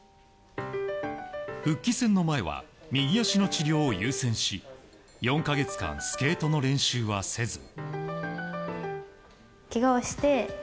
復帰戦の前は右足の治療を優先し４か月間スケートの練習はせず。